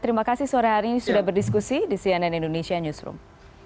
terima kasih sore hari ini sudah berdiskusi di cnn indonesia newsroom